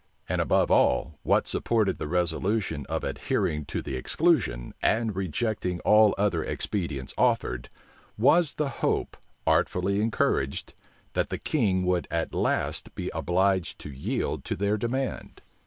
And above all, what supported the resolution of adhering to the exclusion, and rejecting all other expedients offered, was the hope, artfully encouraged, that the king would at last be obliged to yield to their demand.